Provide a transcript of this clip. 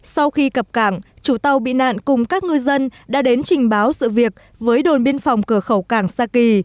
sau khi cập cảng chủ tàu bị nạn cùng các ngư dân đã đến trình báo sự việc với đồn biên phòng cửa khẩu cảng sa kỳ